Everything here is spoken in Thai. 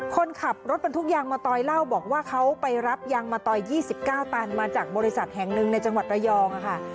คนขับรถบรรทุกยางมะตอยเล่าบอกว่าเขาไปรับยางมะตอย๒๙ตันมาจากบริษัทแห่งหนึ่งในจังหวัดระยองค่ะ